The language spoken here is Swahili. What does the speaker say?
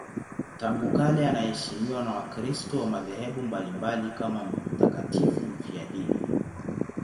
Tangu kale anaheshimiwa na Wakristo wa madhehebu mbalimbali kama mtakatifu mfiadini.